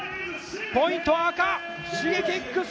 ポイントは赤、Ｓｈｉｇｅｋｉｘ！